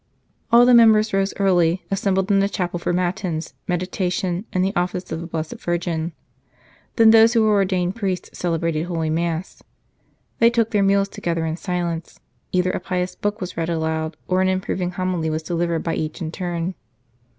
All the members rose early, assembled in the chapel for Matins, meditation, and the Office of the Blessed Virgin ; then those who were ordained priests celebrated Holy Mass. They took their meals together in silence ; either a pious book was read aloud, or an improving homily was delivered by each in turn.